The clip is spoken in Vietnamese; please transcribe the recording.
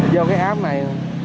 do cái app này